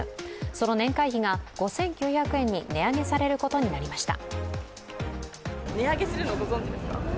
その年会費が、５９００円に値上げされることになりました。